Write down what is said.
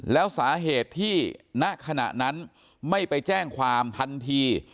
แล้วสาเหตุที่ณขณะนั้นไม่ไปแจ้งความทันที